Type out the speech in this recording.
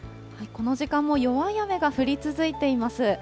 この時間も弱い雨が降り続いています。